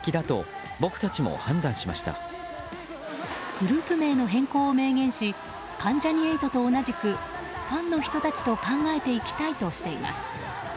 グループ名の変更を明言し関ジャニ∞と同じくファンの人たちと考えていきたいとしています。